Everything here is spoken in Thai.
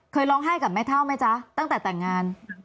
เคยร้องไห้กับแม่เท่าไหมจ๊ะตั้งแต่แต่งงาน